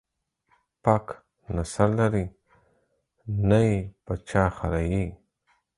پک نه سر لري ، نې په چا خريي.